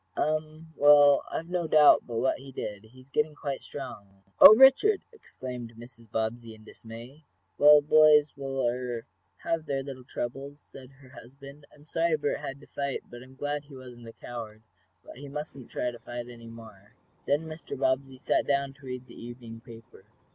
"Um. Well, I've no doubt but what he did. He's getting quite strong." "Oh, Richard!" exclaimed Mrs. Bobbsey, in dismay. "Well, boys will er have their little troubles," said her husband. "I'm sorry Bert had to fight, but I'm glad he wasn't a coward. But he mustn't fight any more." Then Mr. Bobbsey sat down to read the evening paper.